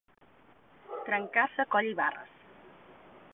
Trencar-se coll i barres.